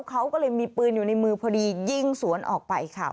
เขาก็เลยมีปืนอยู่ในมือพอดียิงสวนออกไปค่ะ